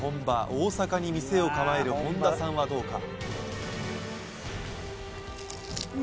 大阪に店を構える本多さんはどうか？